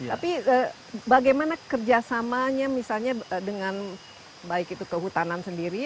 tapi bagaimana kerjasamanya misalnya dengan baik itu kehutanan sendiri